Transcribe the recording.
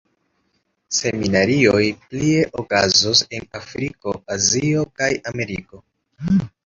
Seminarioj plie okazos en Afriko, Azio kaj Ameriko.